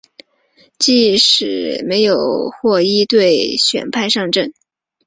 翌季史托迪尔没有获一队选派上阵。